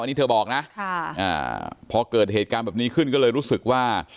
อันนี้เธอบอกนะพอเกิดเหตุการณ์แบบนี้ขึ้นก็เลยรู้สึกว่า